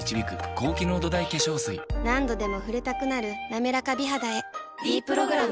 何度でも触れたくなる「なめらか美肌」へ「ｄプログラム」